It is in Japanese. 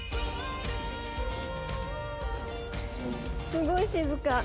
すごい静か。